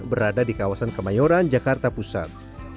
berada di kawasan kemayoran jakarta pusat